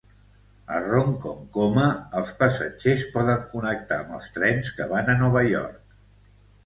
A Ronkonkoma, els passatgers poden connectar amb els trens que van a Nova York.